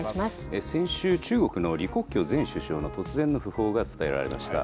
先週、中国の李克強前首相の突然の訃報が伝えられました。